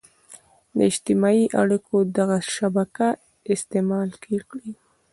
د اجتماعي اړيکو دغه شبکه استعمال کړي.